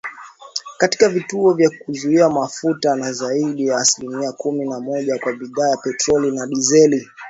katika vituo vya kuuzia mafuta kwa zaidi ya asilimia kumi na moja kwa bidhaa ya petroli na dizeli